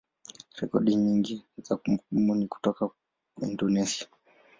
rekodi nyingi za kumbukumbu ni kutoka Indonesia.